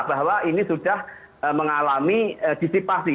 bahwa ini sudah mengalami disipasi